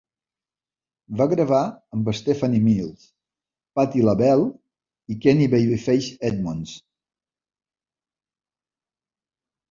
Va gravar amb Stephanie Mills, Patti LaBelle, i Kenny "Babyface" Edmonds.